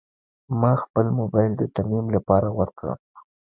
ما خپل موبایل د ترمیم لپاره ورکړ.